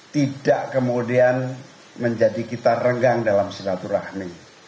tidak kemudian menjadi kita renggang dalam silaturahmi